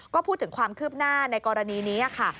ก็พูดถึงความคืบหน้าในกรณีนี้ค่ะ